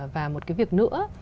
và một cái việc nữa